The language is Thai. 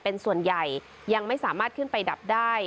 เป็นส่วนใหญ่ยังไม่สามารถขึ้นไปดับได้